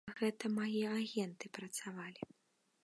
Гэта мае агенты працавалі.